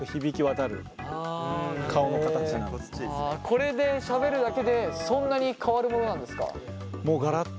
これでしゃべるだけでそんなに変わるものなんですか？